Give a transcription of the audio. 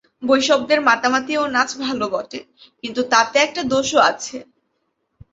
বৈষ্ণবদের মাতামাতি ও নাচ ভাল বটে, কিন্তু তাতে একটা দোষও আছে।